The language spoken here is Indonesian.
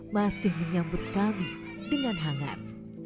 masih menyambut kami dengan hangat